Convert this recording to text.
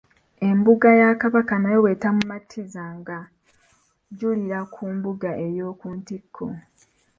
Embuga ya Kabaka nayo bw'etaamumatizanga ng’ajulira mu mbuga eyookuntikko.